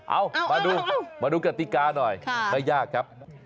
เอามาดูมาดูกติกาหน่อยไม่ยากครับ